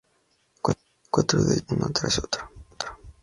Cuatro de ellos mueren uno tras otro.